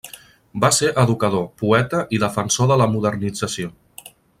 Va ser educador, poeta i defensor de la modernització.